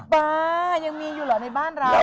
ป้ายังมีอยู่เหรอในบ้านเรา